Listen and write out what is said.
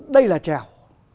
đây là trèo